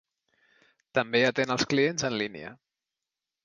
També atén els clients en línia.